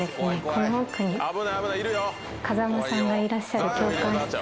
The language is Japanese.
この奥に風間さんがいらっしゃる教官室があります」